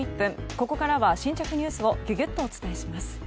ここからは新着ニュースをギュギュッとお伝えします。